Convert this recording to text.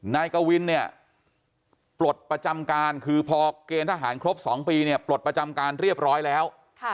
นายกวินเนี่ยปลดประจำการคือพอเกณฑ์ทหารครบ๒ปีเนี่ยปลดประจำการเรียบร้อยแล้ว